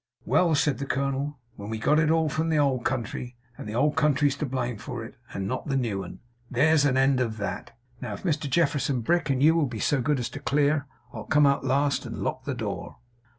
'Well!' said the colonel; 'then we got it all from the old country, and the old country's to blame for it, and not the new 'un. There's an end of THAT. Now, if Mr Jefferson Brick and you will be so good as to clear, I'll come out last, and lock the door.